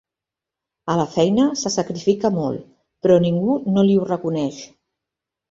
A la feina se sacrifica molt, però ningú no li ho reconeix.